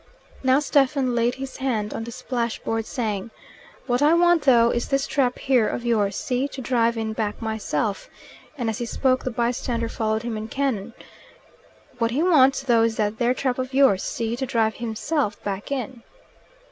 Now Stephen laid his hand on the splash board, saying, "What I want, though, is this trap here of yours, see, to drive in back myself;" and as he spoke the bystander followed him in canon, "What he wants, though, is that there trap of yours, see, to drive hisself back in."